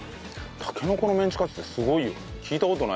たけのこのメンチカツってすごいよね。